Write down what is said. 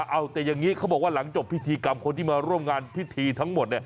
เอ้าแต่เค้าบอกว่าหลังจบคุณผู้ที่มาร่วมงานพิธีทั้งหมด